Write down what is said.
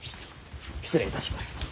失礼いたします。